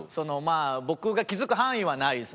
僕が気付く範囲はないですね。